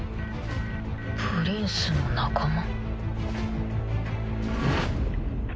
プリンスの仲間？